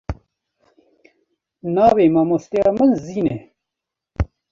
Navê mamosteya min Zîn e.